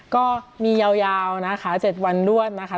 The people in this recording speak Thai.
ก็มียาวนะคะ๗วันรวดนะคะ